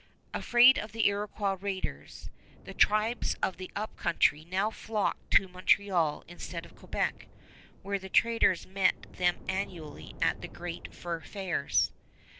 Afraid of the Iroquois raiders, the tribes of the Up Country now flocked to Montreal instead of Quebec, where the traders met them annually at the great Fur Fairs.